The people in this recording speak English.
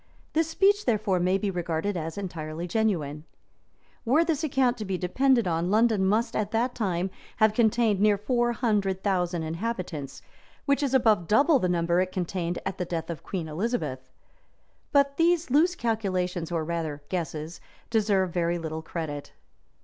This speech therefore, may be regarded as entirely genuine.] [ Were this account to be depended on, London must at that time have contained near four hundred thousand inhabitants, which is above double the number it contained at the death of Queen Elizabeth. But these loose calculations, or rather guesses, deserve very little credit.